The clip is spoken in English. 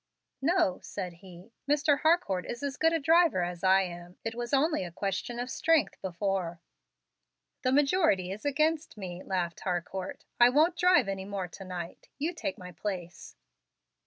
"No," said he; "Mr. Harcourt is as good a driver as I am. It was only a question of strength before." "The majority is against me," laughed Harcourt. "I won't drive any more to night. You take my place."